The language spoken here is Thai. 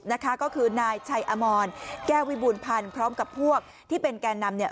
นะคะก็คือนายชัยอมรแก้ววิบูรณพันธ์พร้อมกับพวกที่เป็นแก่นำเนี่ย